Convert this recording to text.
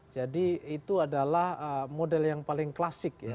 jadi itu adalah model yang paling klasik ya